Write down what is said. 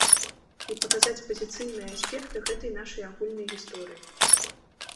І паказаць пазіцыйныя аспекты гэтай нашай агульнай гісторыі.